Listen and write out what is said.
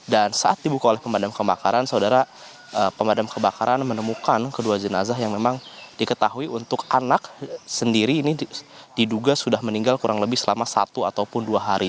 dan saat dibuka oleh pemadam kebakaran saudara pemadam kebakaran menemukan kedua jenazah yang memang diketahui untuk anak sendiri ini diduga sudah meninggal kurang lebih selama satu atau dua hari